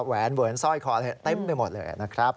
แหวนเวิร์นสร้อยคอเต็มไปหมดเลยนะครับ